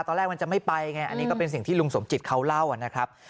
ตอนแรกมันจะไม่ไปไงอันนี้ก็เป็นสิ่งที่ลุงสมจิตเขาเล่านะครับ